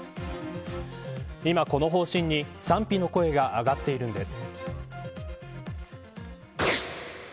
今、この方針に賛否の声が上がっているんです。